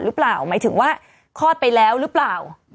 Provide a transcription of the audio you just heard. หรือเปล่าหมายถึงว่าคลอดไปแล้วหรือเปล่า